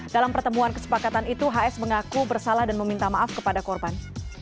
dalam pertemuan kesepakatan itu hs mengaku bersalah dan meminta maaf kepada korban